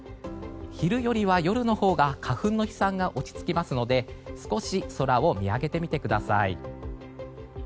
昼よりは夜のほうが花粉の飛散が落ち着きますので少し空を見上げてみてください。